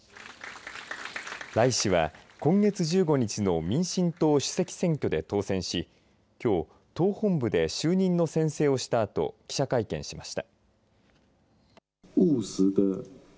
頼氏は今月１５日の民進党主席選挙で当選しきょう、党本部で就任の宣誓をしたあと記者会見しました。